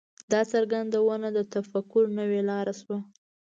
دا څرګندونه د تفکر نوې لاره شوه.